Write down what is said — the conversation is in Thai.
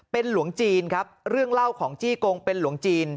เป็นหลวงจีนครับเรื่องเล่าของจี้กงเป็นหลวงจีน